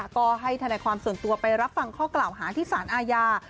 ก็ให้ธนายความส่วนตัวไปรับฟังข้อกล่าวหาที่สารอาญา